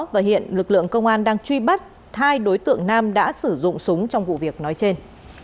và hiện lực lượng công an đang truy bắt hai đối tượng nam đã sử dụng súng trong vụ việc nói trên